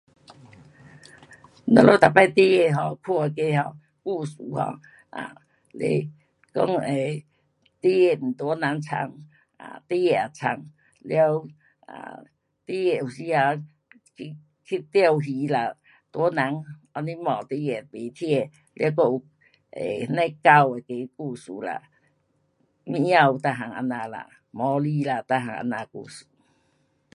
我们每次孩儿 um 看那个 um 故事 um 是讲会孩儿大人书，孩儿书，了孩儿有时啊去钓鱼啦，大人后日骂孩儿也不听，还有 um 那样狗那个故事啦，猫每样这样啦。猫咪啦，每样这样故事。